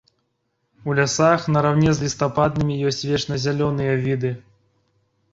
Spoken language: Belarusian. У лясах нараўне з лістападнымі ёсць вечназялёныя віды.